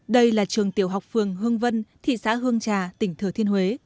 đây là trường tiểu học phường hương vân thị xã hương trà tỉnh thừa thiên huế